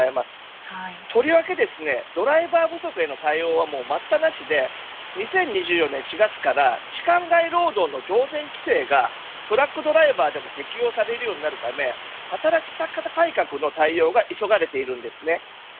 とりわけ、ドライバー不足への対応は待ったなしで２０２４年４月から時間外労働の上限規制がトラックドライバーでも適用されるようになるため働き方改革への対応が急がれています。